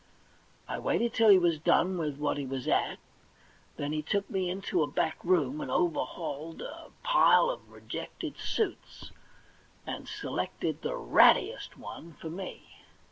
I waited till he was done with what he was at, then he took me into a bade room, and overhauled a pile of rejected suits, and selected the rattiest one 12 THE £1,000,000 BANK NOTE for me.